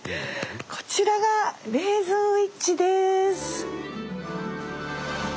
こちらがレイズンウイッチです！